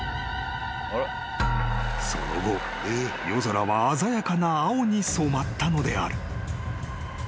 ［その後夜空は鮮やかな青に染まったのである］